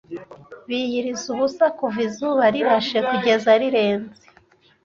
biyiriza ubusa kuva izuba rirashe kugeza rirenze